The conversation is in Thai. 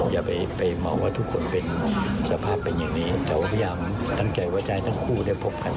อย่าไปมองว่าทุกคนเป็นสภาพเป็นอย่างนี้แต่ว่าพยายามตั้งใจว่าจะให้ทั้งคู่ได้พบกัน